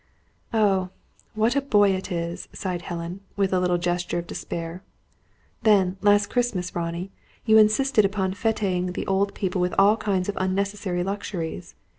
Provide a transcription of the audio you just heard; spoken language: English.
"Oh, what a boy it is!" sighed Helen, with a little gesture of despair. "Then, last Christmas, Ronnie, you insisted upon fêting the old people with all kinds of unnecessary luxuries.